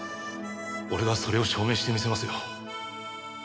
俺がそれを証明してみせますよ。